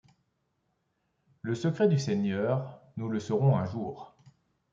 Le secret du Seigneur, nous le saurons un jour.